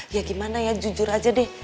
ya gimana ya jujur aja deh